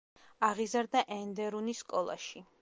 აღიზარდა ენდერუნის სკოლაში.